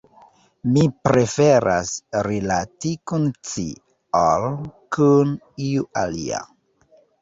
mi preferas rilati kun ci, ol kun iu alia.